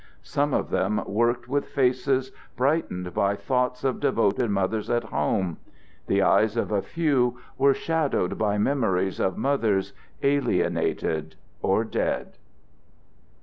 Some of them worked with faces brightened by thoughts of devoted mothers at home; the eyes of a few were shadowed by memories of mothers alienated or dead.